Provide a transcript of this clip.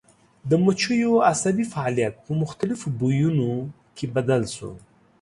د مچیو عصبي فعالیت په مختلفو بویونو کې بدل شو.